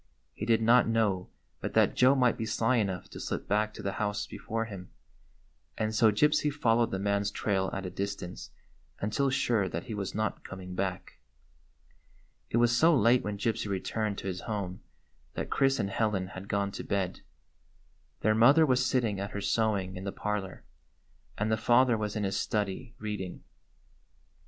He did not know but that Joe might be sly enough to slip back to the house before him, and so Gypsy followed the man's trail at a distance until sure that he was not coming back. It was so late when Gypsy returned to his home that Chris and Helen had gone to bed. Their mother was sitting at her sewing in the parlor, and the father was in his study reading.